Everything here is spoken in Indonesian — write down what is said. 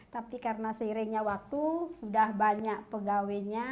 tapi karena seiringnya waktu sudah banyak pegawainya